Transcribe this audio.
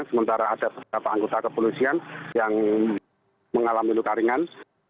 sementara ada beberapa anggota kepolisian yang mengalami luka ringan